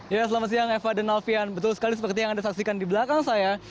ya selamat siang eva dan alfian betul sekali seperti yang anda saksikan di belakang saya